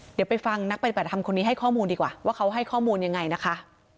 เดี๋ยวไปฟังนักปฏิบัติธรรมคนนี้ให้ข้อมูลดีกว่าว่าเขาให้ข้อมูลยังไงนะคะ